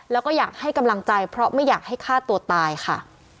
แล้วก็อยากให้กำลังใจเพราะไม่อยากให้ฆ่าตัวตายค่ะ